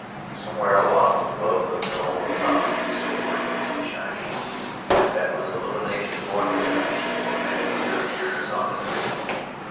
Somewhere aloft, above the film of cloud, the silvery moon was shining, and that was illumination more than enough for men of their years on the trail.